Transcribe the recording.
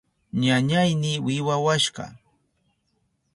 Ñañayni wiwawashka.